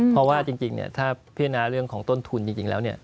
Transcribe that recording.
เพราะว่าจริงถ้าพิจารณาเรื่องของต้นทุนจริงแล้ว